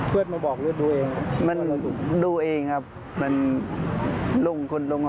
เพื่อนมาบอกเลือดดูเองมันดูเองครับมันลุงคุณลุง